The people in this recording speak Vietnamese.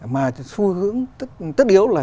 mà xu hướng tất yếu là